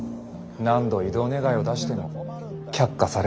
何度異動願を出しても却下され続けて。